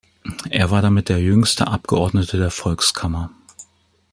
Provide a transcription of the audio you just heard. Er war damit der jüngste Abgeordnete der Volkskammer.